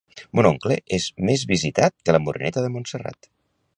Mon oncle és més visitat que la Moreneta de Montserrat